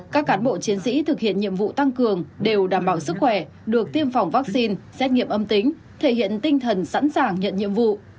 các cán bộ chiến sĩ thực hiện nhiệm vụ tăng cường đều đảm bảo sức khỏe được tiêm phòng vaccine xét nghiệm âm tính thể hiện tinh thần sẵn sàng nhận nhiệm vụ